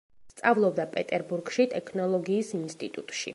სწავლობდა პეტერბურგში ტექნოლოგიის ინსტიტუტში.